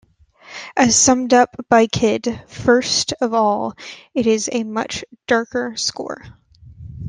As summed up by Kyd, First of all it is a much darker score.